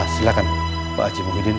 silahkan pak haji muhyiddin